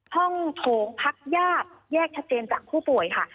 ห้องโถงพักญาติแยกชัดเจนจากผู้ป่วยค่ะ